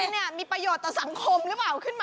นี่มีประโยชน์ต่อสังคมหรือเปล่าขึ้นมา